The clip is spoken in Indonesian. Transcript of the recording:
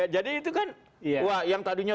jadi itu kan wah yang tadinya